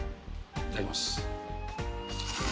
いただきます。